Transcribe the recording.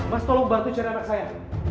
mas tolong bantu cari anak saya